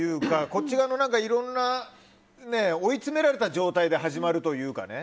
こっち側のいろんな追い詰められた状態で始まるというかね。